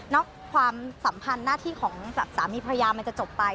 ความสัมพันธ์หน้าที่ของสามีภรรยามันจะจบไป